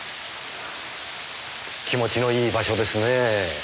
気持ちのいい場所ですねぇ。